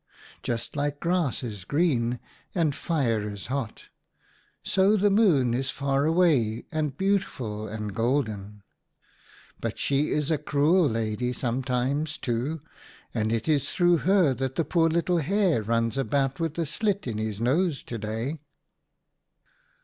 Just like grass is green and fire is hot, so the Moon is far away and beautiful and golden. But she is a cruel lady sometimes, too, and it is through her that the poor Little Hare runs about with a slit in his nose to day."